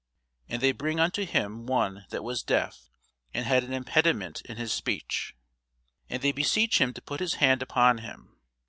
And they bring unto him one that was deaf, and had an impediment in his speech; and they beseech him to put his hand upon him.